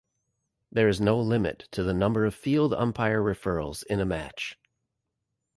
There is no limit to the number of field umpire referrals in a match.